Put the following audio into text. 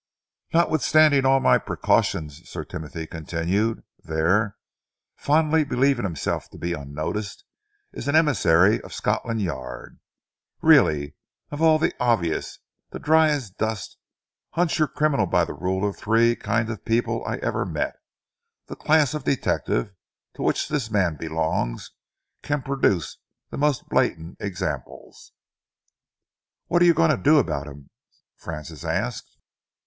"Notwithstanding all my precautions," Sir Timothy continued, "there, fondly believing himself to be unnoticed, is an emissary of Scotland Yard. Really, of all the obvious, the dry as dust, hunt your criminal by rule of three kind of people I ever met, the class of detective to which this man belongs can produce the most blatant examples." "What are you going to do about him?" Francis asked.